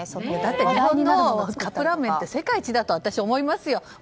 日本のカップラーメンって世界一だって私、思いますよ。